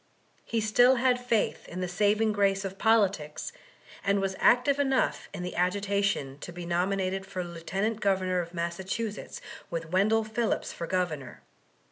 He still had faith in the saving grace of politics, and was active enough in the agitation to be nominated for Lieut Governor of Massachusetts with Wendell Phillips for Governor.